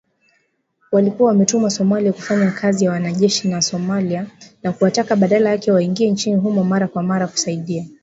Walikuwa wametumwa Somalia kufanya kazi na wanajeshi wa Somalia na kuwataka badala yake waingie nchini humo mara kwa mara kusaidia